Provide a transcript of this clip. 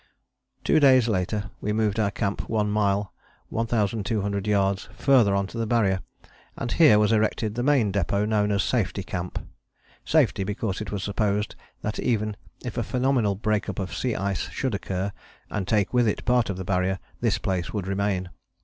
Two days later we moved our camp 1 mile 1200 yards farther on to the Barrier and here was erected the main depôt, known as Safety Camp. 'Safety' because it was supposed that even if a phenomenal break up of sea ice should occur, and take with it part of the Barrier, this place would remain.